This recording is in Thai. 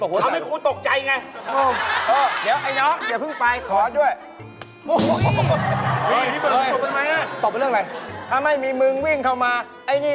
ใครช่างกลมั้นสิอัฐิวัฒนาไม่ต้องนะพี่